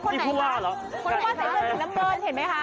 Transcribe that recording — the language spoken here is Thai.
คุณภูวาใส่เมืองเห็นไหมคะ